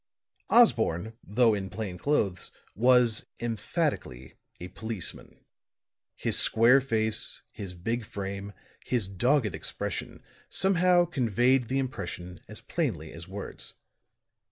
Osborne, though in plain clothes, was emphatically a policeman. His square face, his big frame, his dogged expression, somehow conveyed the impression as plainly as words.